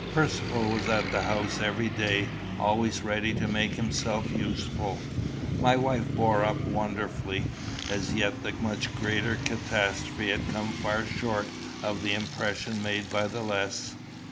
Percivale was at the house every day, always ready to make himself useful. My wife bore up wonderfully. As yet the much greater catastrophe had come far short of the impression made by the less.